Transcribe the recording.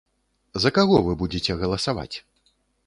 За каго вы будзеце галасаваць?